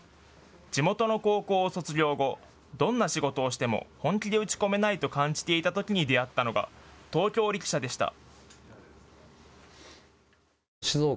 地元の高校を卒業後、どんな仕事をしても本気で打ち込めないと感じていたときに出会ったのが東京力車でした。